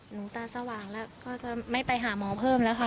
หนูตาสว่างแล้วก็จะไม่ไปหาหมอเพิ่มแล้วค่ะ